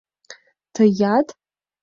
— Тыят?..